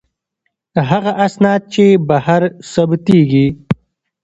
هغه اسناد چې بهر ثبتیږي.